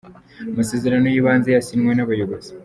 amasezerano yibanze yasinwe nabayobozi.